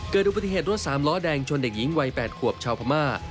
เกิดอุบัติเหตุรถสามล้อแดงชนเด็กหญิงวัย๘ขวบชาวพม่า